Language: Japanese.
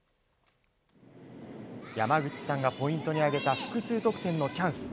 山口さんがポイントに挙げた複数得点のチャンス。